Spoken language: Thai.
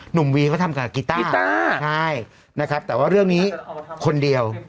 หนุ่มวีก็ทำกับกิต้าใช่นะครับแต่ว่าเรื่องนี้คนเดียว